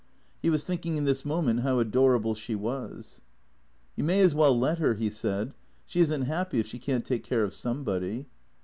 He was thinking in this moment how adorable she was. " You may as well let her," he said. " She is n't happy if she can't take care of somebody."